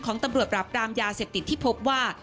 ของตำรวจปราบรามยาเสพติดที่พบว่า